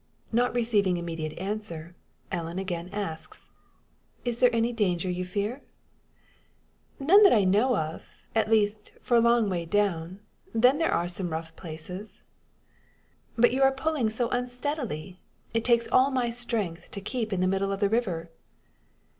Not receiving immediate answer, Ellen again asks "Is there any danger you fear?" "None that I know of at least, for a long way down. Then there are some rough places." "But you are pulling so unsteadily! It takes all my strength to keep in the middle of the river."